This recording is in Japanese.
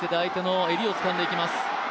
左手で相手の襟をつかんでいきます。